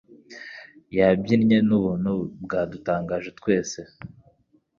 Yabyinnye nubuntu bwadutangaje twese.